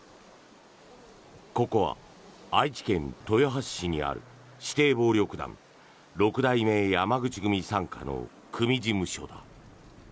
ここは愛知県豊橋市にある指定暴力団六代目山口組傘下の組事務所だ。